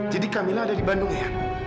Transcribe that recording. jadi kamila ada di bandung eyang